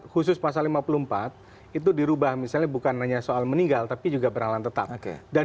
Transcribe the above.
khusus pasal lima puluh empat itu dirubah misalnya bukan hanya soal meninggal tapi juga peralatan tetap dan